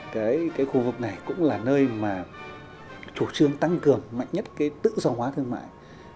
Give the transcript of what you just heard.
cái khu vực này cũng là nơi mà chủ trương tăng cường mạnh nhất cái tự do hóa thương mại